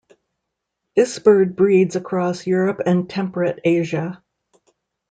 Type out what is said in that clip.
This bird breeds across Europe and temperate Asia.